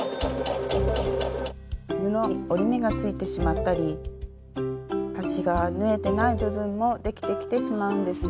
布に折り目がついてしまったり端が縫えてない部分もできてきてしまうんですよ。